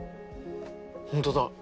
ホントだ。